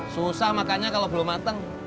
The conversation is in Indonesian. susah makannya kalo belum mateng